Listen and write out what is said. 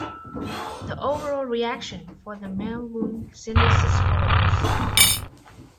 The overall reaction for the Madelung synthesis follows.